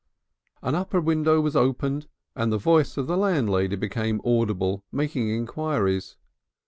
An upper window was opened and the voice of the landlady became audible making enquiries.